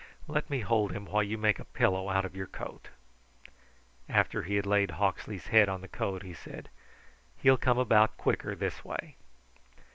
"Let me hold him while you make a pillow out of your coat." After he had laid Hawksley's head on the coat he said: "He'll come about quicker this way.